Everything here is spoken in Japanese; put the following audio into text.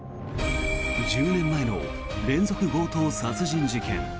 １０年前の連続強盗殺人事件。